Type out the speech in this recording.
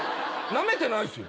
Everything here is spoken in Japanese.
なめてないっすよ。